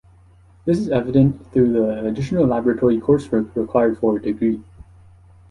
This is evident through the additional laboratory coursework required for a degree.